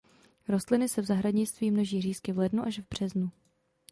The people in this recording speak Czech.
Rostliny se v zahradnictví množí řízky v lednu až březnu.